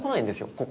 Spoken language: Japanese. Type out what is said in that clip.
ここ。